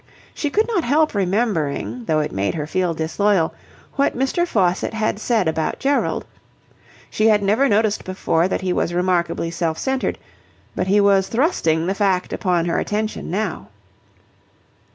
She could not help remembering, though it made her feel disloyal, what Mr. Faucitt had said about Gerald. She had never noticed before that he was remarkably self centred, but he was thrusting the fact upon her attention now.